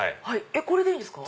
これでいいんですか。